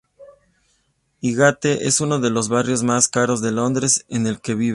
Highgate es uno de los barrios más caros de Londres en el que vivir.